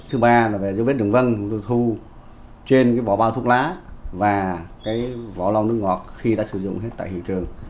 thứ ba là dấu vết đường văn chúng tôi thu trên cái vỏ bao thuốc lá và cái vỏ lòng nước ngọt khi đã sử dụng hết tại hiện trường